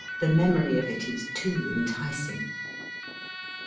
The memory of it is too enticing.